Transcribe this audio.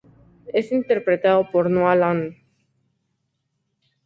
Es interpretado por Noah Land.